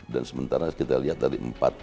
dan sementara kita lihat dari empat